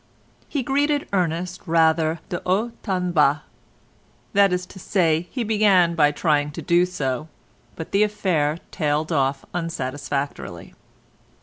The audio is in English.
He greeted Ernest rather de haut en bas, that is to say he began by trying to do so, but the affair tailed off unsatisfactorily.